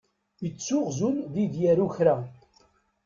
Ittuɣ zun di d-yaru kra.